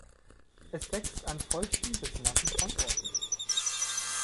Es wächst an feuchten bis nassen Standorten.